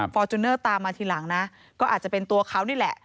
จูเนอร์ตามมาทีหลังนะก็อาจจะเป็นตัวเขานี่แหละ